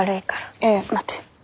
いやいや待って。